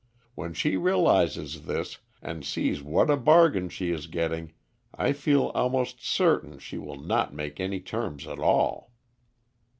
When she realises this, and sees what a bargain she is getting, I feel almost certain she will not make any terms at all."